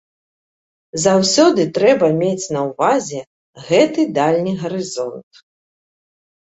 Заўсёды трэба мець на ўвазе гэты дальні гарызонт.